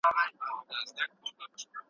مشاورین به د بیان ازادي ساتي.